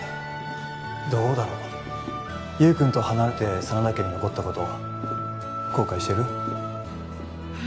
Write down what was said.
どうだろう優くんと離れて真田家に残ったこと後悔してる？